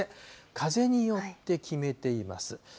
風によって決めています。